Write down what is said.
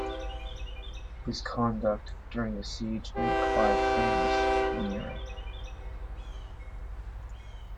His conduct during the siege made Clive famous in Europe.